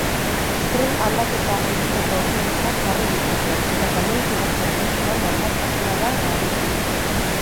Tren aldaketa egiteko autobusak jarri dituzte eta gainontzeko zerbitzuan normaltasuna da nagusi.